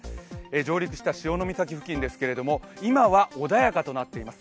上陸した潮岬付近ですけども今は穏やかとなっています。